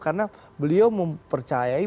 karena beliau mempercayai